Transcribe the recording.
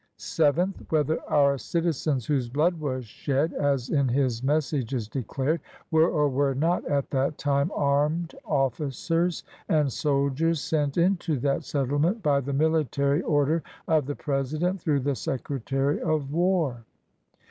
Seventh. Whether our citizens whose blood was shed, as in his messages declared, were or were not at that time armed officers and soldiers, sent into that settlement by the military order of the President, through the Secretary of War.